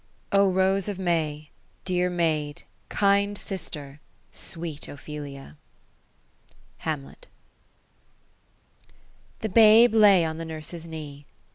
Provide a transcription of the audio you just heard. «'ORoMorM«jl Dear maid, kind sister, sweei Ophelia I" HamUL The babe lay on the nur«e*8 knee.